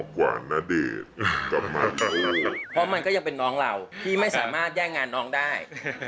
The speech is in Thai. เพราะมันก็ยังเป็นน้องเราที่ไม่สามารถแย่งงานน้องได้